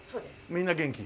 みんな元気？